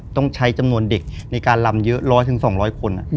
ต้องใช้จำนวนเด็กในการลำเยอะ๑๐๐๒๐๐คน